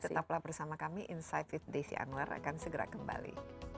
tetaplah bersama kami insight with desi anwar akan segera kembali